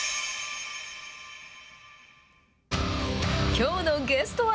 きょうのゲストは。